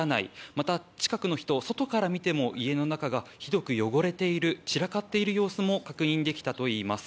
また、近くの人は外から見ても家の中がひどく汚れている散らかっている様子も確認できたといいます。